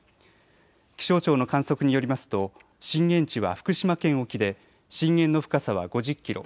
気象庁の観測によりますと震源地は福島県沖で震源の深さは５０キロ。